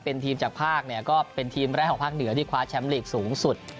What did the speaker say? เป็นทีมจากภาคเนี่ยก็เป็นทีมแรกของภาคเหนือที่คว้าแชมป์ลีกสูงสุด